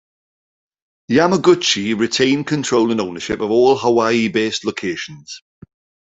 Yamaguchi retained control and ownership of all Hawaii-based locations.